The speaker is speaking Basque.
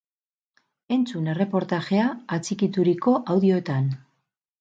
Entzun erreportajea atxikituriko audioetan!